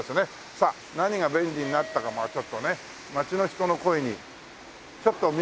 さあ何が便利になったかまあちょっとね街の人の声にちょっと耳を傾けてみましょう。